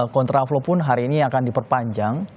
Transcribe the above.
kontra flow pun hari ini akan diperpanjang